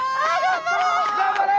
頑張れ！